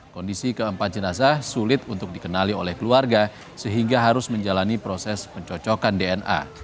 kondisi keempat jenazah sulit untuk dikenali oleh keluarga sehingga harus menjalani proses pencocokan dna